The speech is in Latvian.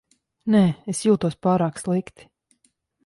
Nē, es jūtos pārāk slikti.